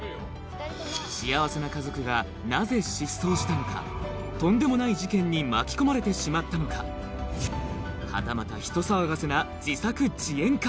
幸せな家族がとんでもない事件に巻き込まれてしまったのかはたまた人騒がせな自作自演か